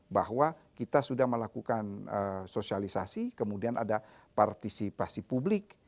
bahwa kita sudah melakukan sosialisasi kemudian ada partisipasi publik